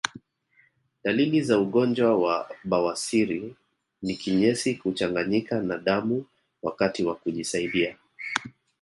Dalili za ugonjwa wa bawasiri ni Kinyesi kuchanganyika na damu wakati wa kujisaidia